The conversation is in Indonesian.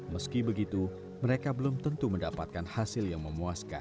meski begitu mereka belum tentu mendapatkan hasil yang memuaskan